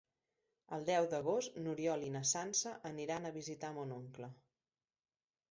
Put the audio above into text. El deu d'agost n'Oriol i na Sança aniran a visitar mon oncle.